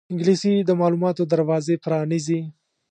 انګلیسي د معلوماتو دروازې پرانیزي